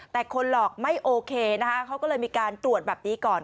แต่คนหลอกไม่โอเคนะคะเขาก็เลยมีการตรวจแบบนี้ก่อน